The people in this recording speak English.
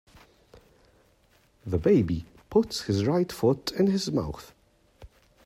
The baby puts his right foot in his mouth.